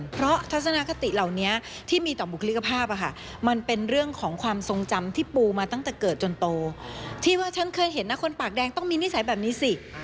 เพราะทัศนคติเหล่านี้ที่มีต่อบุคลิกภาพมันเป็นเรื่องของความทรงจำที่ปูมาตั้งแต่เกิดจนโตที่ว่าฉันเคยเห็นนะคนปากแดงต้องมีนิสัยแบบนี้สิ